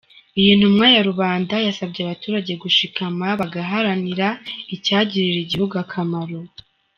Iyi ntumwa ya rubanda yasabye abaturage gushikama bagaharanira icyagirira igihugu akamaro.